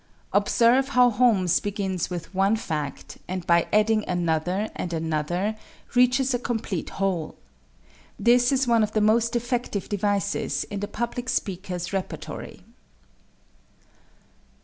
Observe how Holmes begins with one fact, and by adding another and another reaches a complete whole. This is one of the most effective devices in the public speaker's repertory.